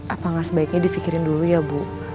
apakah sebaiknya di fikirin dulu ya bu